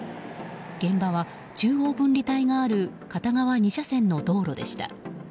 現場は中央分離帯がある片側２車線の道路でした。